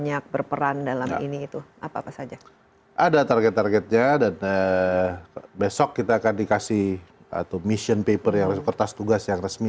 ada target targetnya dan besok kita akan dikasih mission paper yang resmi